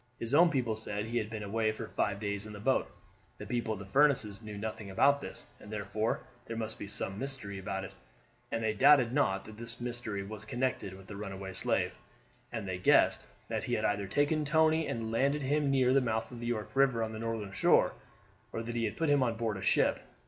His own people said he had been away for five days in the boat. The people at Furniss' knew nothing about this, and therefore there must be some mystery about it, and they doubted not that that mystery was connected with the runaway slave, and they guessed that he had either taken Tony and landed him near the mouth of the York River on the northern shore, or that he had put him on board a ship.